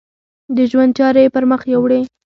د ژوند چارې یې پر مخ یوړې.